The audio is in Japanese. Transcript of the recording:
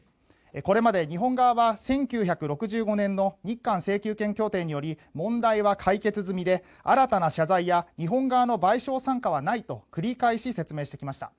これまで日本側は１９６５年の日韓請求権協定により問題は解決済みで新たな謝罪や日本側の賠償参加はないと繰り返し説明してきました。